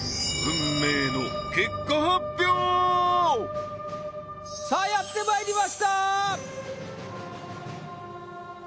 運命のさあやってまいりました